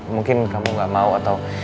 mungkin kamu gak mau atau